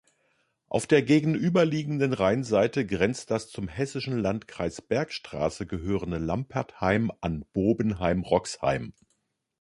Auf der gegenüberliegenden Rheinseite grenzt das zum hessischen Landkreis Bergstraße gehörende Lampertheim an Bobenheim-Roxheim.